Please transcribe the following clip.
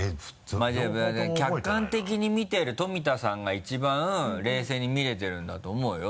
まぁじゃあ客観的に見てる富田さんが一番冷静に見れてるんだと思うよ